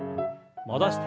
戻して。